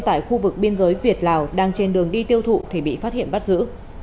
tại khu vực biên giới việt lào đang trên đường đi tiêu thụ thì bị phát hiện bắt giữ